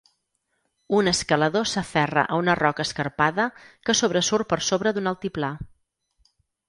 Un escalador s'aferra a una roca escarpada que sobresurt per sobre d'un altiplà.